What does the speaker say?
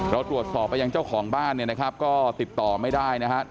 เราตรวจสอบไปยังเจ้าของบ้านก็ติดต่อไม่ได้นะครับ